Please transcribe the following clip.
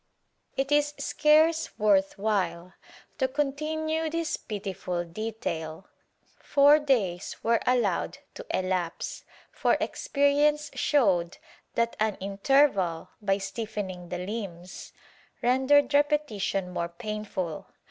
It is scarce worth while to continue this pitiful detail. Four days were allowed to elapse, for experience showed that an inter val, by stiffening the limbs, rendered repetition more painful.